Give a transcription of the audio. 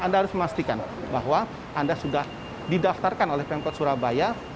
anda harus memastikan bahwa anda sudah didaftarkan oleh pemkot surabaya